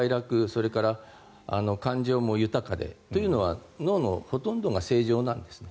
それから感情も豊かでというのは脳のほとんどが正常なんですね